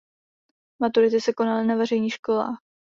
Maturity se konaly na veřejných školách.